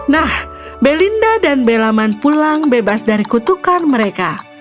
nah belinda dan belaman pulang bebas dari kutukan mereka